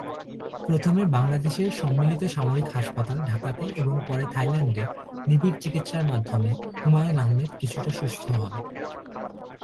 প্রথমে বাংলাদেশের সম্মিলিত সামরিক হাসপাতাল, ঢাকাতে এবং পরে থাইল্যান্ডে নিবিড় চিকিৎসার মাধ্যমে হুমায়ুন আহমেদ কিছুটা সুস্থ হন।